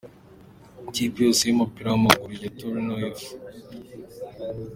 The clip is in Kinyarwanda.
Ikipe yose y’umupira w’amaguru ya Torino F.